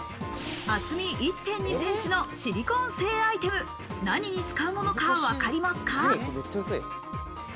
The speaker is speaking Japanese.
厚み１．２ｃｍのシリコーン製アイテム、何に使うものかわかりますか？